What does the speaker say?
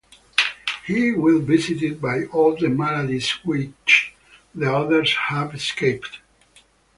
He will be visited by all the maladies which the others have escaped.